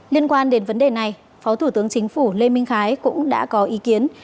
liên quan đến vấn đề này phó thủ tướng chính phủ lê minh khái cũng đã có ý kiến